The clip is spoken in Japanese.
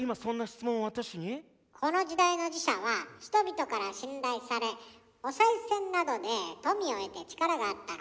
この時代の寺社は人々から信頼されお賽銭などで富を得て力があったの。